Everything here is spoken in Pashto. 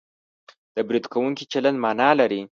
د برید کوونکي چلند مانا لري